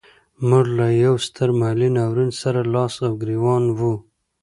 موږ له یوه ستر مالي ناورین سره لاس و ګرېوان وو.